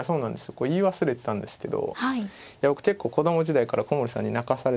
これ言い忘れてたんですけど僕結構子供時代から古森さんに泣かされてきて。